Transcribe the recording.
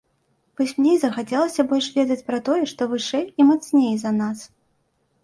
Вось мне і захацелася больш ведаць пра тое, што вышэй і мацней за нас.